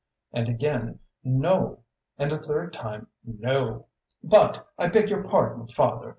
and again: "No!" and a third time: "No!" "But I beg your pardon, father!"